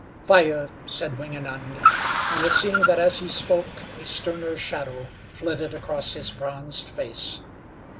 "Fire," said Wingenund, and it seemed that as he spoke a sterner shadow flitted across his bronzed face.